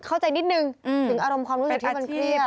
เข้าใจนิดนึงถึงอารมณ์ความรู้สึกที่มันเครียด